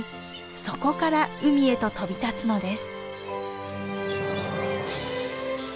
そこから海へと飛び立つのです。